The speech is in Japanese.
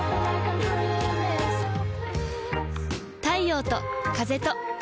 太陽と風と